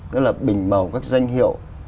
đó là bình màu các danh hiệu